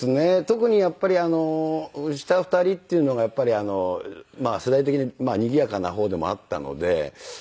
特にやっぱり下２人っていうのが世代的ににぎやかな方でもあったので。